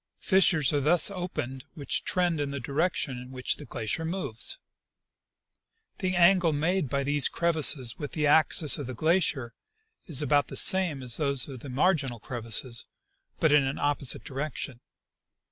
Fissures are thus opened which trend in the direction in which the glacier moves. The angle made by these crevasses with the axis of the glacier is about the same as those of the marginal crevasses, but in an opposite direction.